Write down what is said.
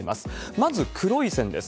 まず黒い線です。